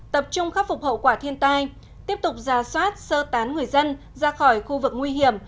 tập trung khắc phục hậu quả thiên tai tiếp tục ra soát sơ tán người dân ra khỏi khu vực nguy hiểm